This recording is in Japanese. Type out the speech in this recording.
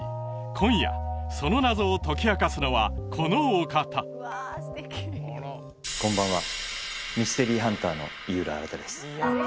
今夜その謎を解き明かすのはこのお方こんばんはミステリーハンターの井浦新です